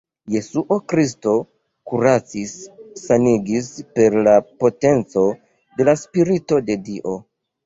Jesuo Kristo kuracis-sanigis per la potenco de la Spirito de Dio.